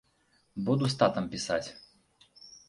Буду з татам пісаць.